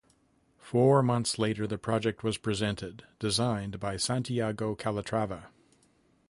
Four months later the project was presented, designed by Santiago Calatrava.